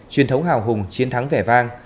truyền thống hào hùng chiến thắng vẻ vang